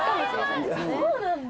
・そうなんだ。